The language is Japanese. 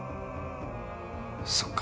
そっか。